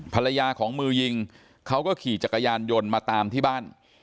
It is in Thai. ภรรยาของมือยิงเขาก็ขี่จักรยานยนต์มาตามที่บ้าน